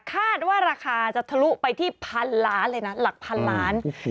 คาดว่าราคาจะทะลุไปที่๑๐๐๐ล้านบาทเลยนะหลัก๑๐๐๐ล้านบาท